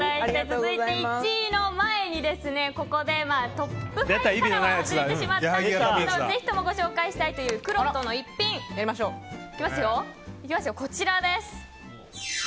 続いて１位の前にトップ５から外れてしまったんですけどぜひともご紹介したいというくろうとの逸品、こちらです。